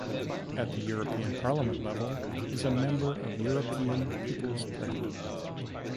At the European Parliament level, is a member of European People's Party.